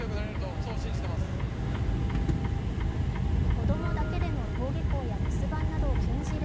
子供だけでの登下校や留守番などを禁じる